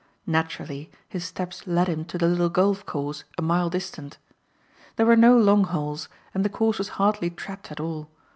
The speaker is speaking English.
Naturally his steps led him to the little golf course a mile distant. There were no long holes and the course was hardly trapped at all.